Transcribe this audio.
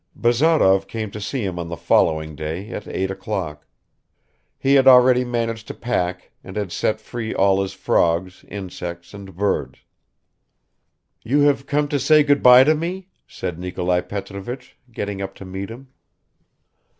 Bazarov came to see him on the following day at eight o'clock. He had already managed to pack and had set free all his frogs, insects and birds. "You have come to say good by to me?" said Nikolai Petrovich, getting up to meet him.